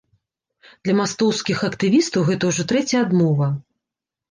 Для мастоўскіх актывістаў гэта ўжо трэцяя адмова.